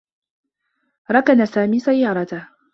ركن سامي سيّارته.